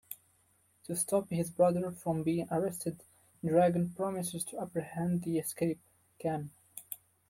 To stop his brother from being arrested, Dragon promises to apprehend the escapee, Kam.